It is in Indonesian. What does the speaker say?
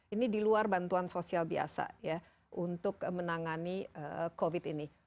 ini di luar bantuan sosial biasa ya untuk menangani covid ini